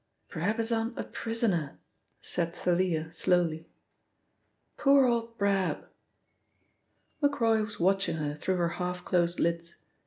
"Brabazon a prisoner," said Thalia slowly. "Poor old Brab!" Macroy was watching her through her half closed lids.